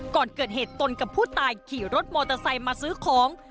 ก่อนเกิดเหตุตนกับผู้ตายขี่รถมอเตอร์ไซค์มาซื้อของ